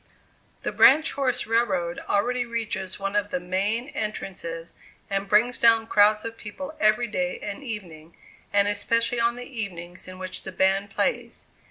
The branch horse railroad already reaches one of the main entrances, and brings down crowds of people every day and evening, and especially on the evenings in which the band plays.